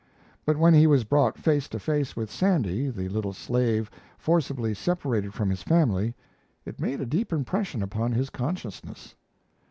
But when he was brought face to face with Sandy, the little slave forcibly separated from his family, it made a deep impression upon his consciousness.